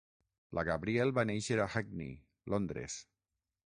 La Gabrielle va néixer a Hackney, Londres.